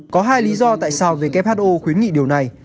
có hai lý do tại sao who khuyến nghị điều này